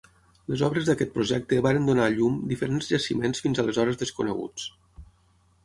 Les obres d'aquest projecte varen donar a llum diferents jaciments fins aleshores desconeguts.